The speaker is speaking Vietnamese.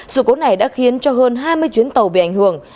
sự cố này đã khiến cho hơn hai mươi chuyến tàu bị ảnh hưởng